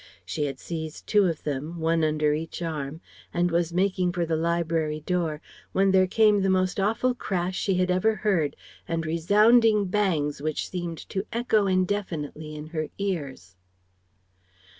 She had seized two of them, one under each arm, and was making for the library door, when there came the most awful crash she had ever heard, and resounding bangs which seemed to echo indefinitely in her ears....